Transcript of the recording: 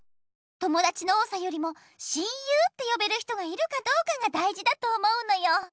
ともだちの多さよりも親友ってよべる人がいるかどうかがだいじだと思うのよ。